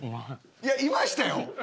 いやいましたよ。